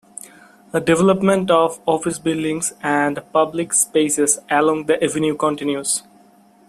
Development of office buildings and public spaces along the avenue continues.